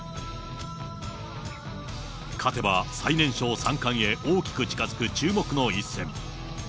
勝てば最年少三冠へ大きく近づく注目の一戦。